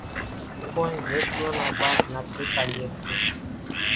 ڪونئين زيتوئان نا ٻاگھ نا ٺيڪا ليئيَ سي۔